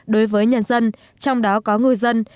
đối với nhân dân trong đó có người dân